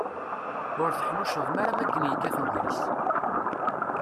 Ur teḥnuccḍem ara makken yekkat ugris.